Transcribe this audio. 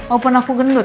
apa aku gendut